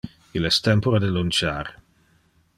Il es tempore de lunchar.